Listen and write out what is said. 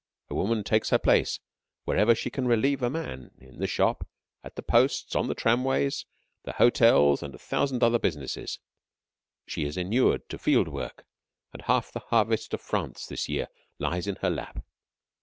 A woman takes her place wherever she can relieve a man in the shop, at the posts, on the tramways, the hotels, and a thousand other businesses. She is inured to field work, and half the harvest of France this year lies in her lap.